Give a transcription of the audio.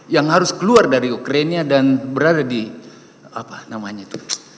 yang harus keluar dari ukraina dan berada di apa namanya itu